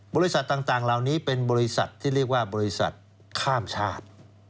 บริษัทต่างเหล่านี้เป็นบริษัทที่เรียกว่าบริษัทข้ามชาติ